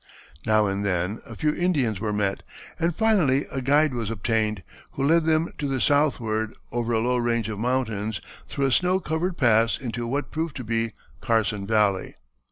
Now and then a few Indians were met, and finally a guide was obtained, who led them to the southward, over a low range of mountains through a snow covered pass into what proved to be Carson Valley.